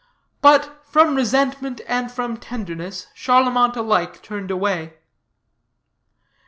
But from resentment and from tenderness Charlemont alike turned away.